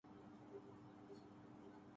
H T C